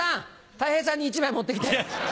たい平さんに１枚持ってきて。